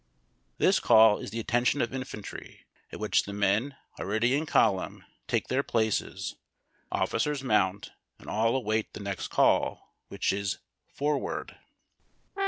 This call is tlie Attention of infantry at which the men, alread}^ in column, take their places, officers mount, and all await the next call, which is Forward.